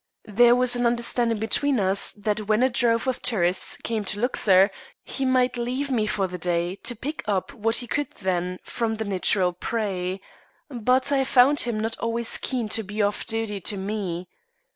There was an understanding between us that when a drove of tourists came to Luxor he might leave me for the day to pick up what he could then from the natural prey; but I found him not always keen to be off duty to me.